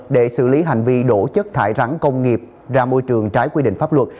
để xử lý hành vi đổ chất thải rắn công nghiệp ra môi trường trái quy định pháp luật